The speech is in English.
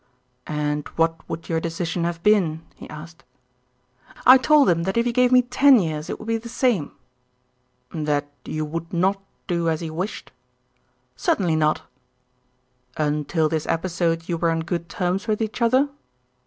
"And what would your decision have been?" he asked. "I told him that if he gave me ten years it would be the same." "That you would not do as he wished?" "Certainly not." "Until this episode you were on good terms with each other?"